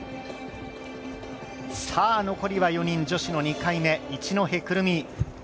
残りは４人、女子の２回目一戸くる実。